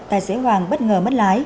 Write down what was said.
tài xế hoàng bất ngờ mất lái